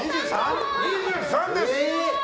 ２３です！